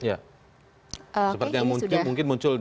seperti yang mungkin muncul di